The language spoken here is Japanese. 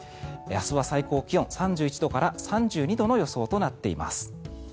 明日は最高気温が３１度から３２度の予想となっています。